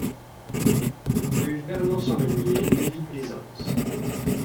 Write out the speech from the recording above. Rue Fernand Sanglier, Neuilly-Plaisance